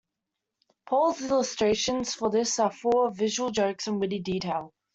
Paul's illustrations for this are full of visual jokes and witty detail.